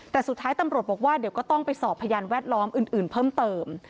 แต่สุดท้ายตำรวจบอกว่าเดี๋ยวก็ต้องไปสอบพยานแวดล้อมอื่นเพิ่มเติม